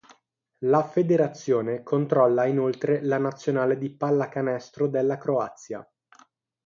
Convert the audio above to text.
La federazione controlla inoltre la nazionale di pallacanestro della Croazia.